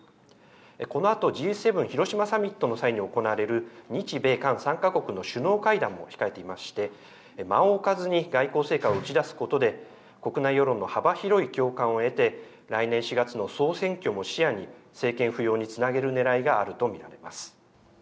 このあとＧ７広島サミットの際に行われる日米韓３か国の首脳会談も控えていまして、間を置かずに外交成果を打ち出すことで、国内世論の幅広い共感を得て来年４月の総選挙も視野に政権浮揚につなげるねらいがあると見られます。